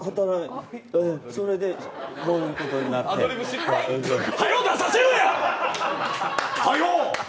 それで、こういうことになってはよ出させろや。